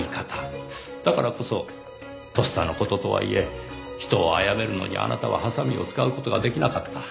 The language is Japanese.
だからこそとっさの事とはいえ人を殺めるのにあなたはハサミを使う事が出来なかった。